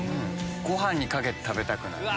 ご飯にかけて食べたくなる。